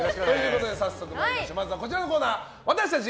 まずはこちらのコーナー私たち